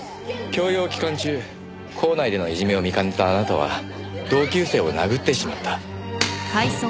教養期間中校内でのいじめを見かねたあなたは同級生を殴ってしまった。